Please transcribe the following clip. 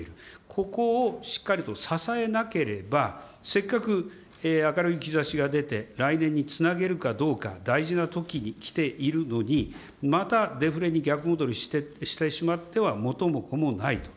ここをしっかりと支えなければ、せっかく明るい兆しが出て、来年につなげるかどうか大事な時に来ているのに、またデフレに逆戻りしてしまっては元も子もないと。